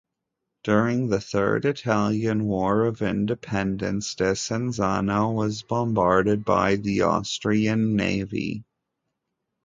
During the Third Italian War of Independence, Desenzano was bombarded by the Austrian navy.